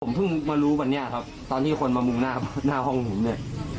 ผมเพิ่งมารู้วันนี้ครับตอนที่คนมามุงหน้าห้องผมเนี่ย